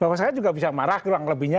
bahwa saya juga bisa marah kurang lebihnya